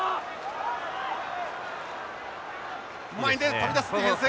飛び出すディフェンス！